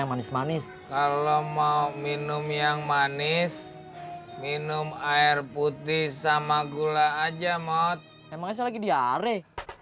yang manis manis kalau mau minum yang manis minum air putih sama gula aja mot emangnya saya lagi diare